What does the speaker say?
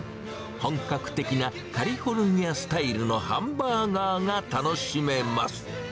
本格的なカリフォルニアスタイルのハンバーガーが楽しめます。